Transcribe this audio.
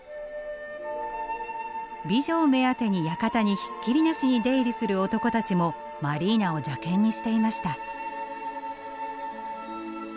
美女を目当てに館にひっきりなしに出入りする男たちもマリーナを邪けんにしていました。